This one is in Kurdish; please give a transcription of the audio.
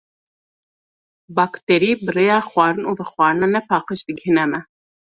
Bakterî bi rêya xwarin û vexwarina nepaqij digihîn me.